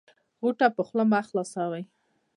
غوټه په خوله مه خلاصوی